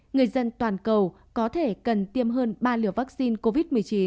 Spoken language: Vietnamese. người dân toàn cầu có thể cần tiêm hơn ba liều vaccine covid một mươi chín